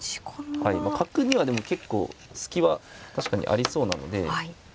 角にはでも結構隙は確かにありそうなので。